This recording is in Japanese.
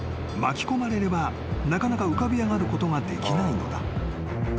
巻き込まれればなかなか浮かび上がることができないのだ］